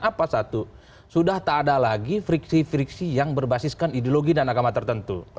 dan apa satu sudah tak ada lagi friksi friksi yang berbasiskan ideologi dan agama tertentu